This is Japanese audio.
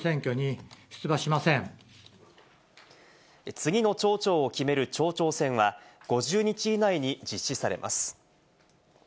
次の町長を決める町長選は５０日以内に実施されます。